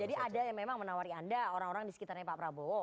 jadi ada yang memang menawari anda orang orang di sekitarnya pak prabowo